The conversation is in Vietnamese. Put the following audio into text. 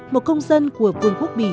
một công dân của vương quốc bỉ